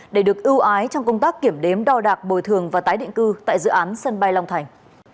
để được ưu ái trong công tác kiểm đếm đo đạc bồi thường và tái định cư tại dự án sân bay long thành